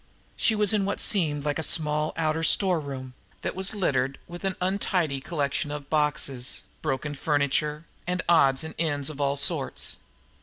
She was in what seemed like a small, outer storeroom, that was littered with an untidy collection of boxes, broken furniture, and odds and ends of all sorts.